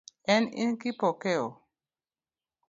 En in Kipokeo?